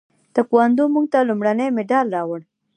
تکواندو موږ ته لومړنی مډال راوړ.